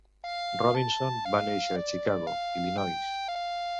Robinson va néixer a Chicago, Illinois.